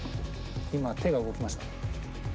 今手が動きましたね。